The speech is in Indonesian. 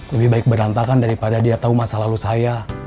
lebih baik berantakan daripada dia tahu masa lalu saya